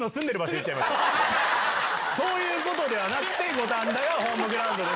そういうことではなくて。